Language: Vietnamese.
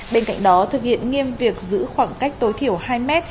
bên cạnh đó thực hiện nghiêm việc giữ khoảng cách tối thiểu hai mươi km